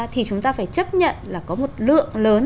thì chúng ta phải chấp nhận là có một lượng lớn